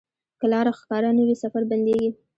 که لاره ښکاره نه وي، سفر بندېږي.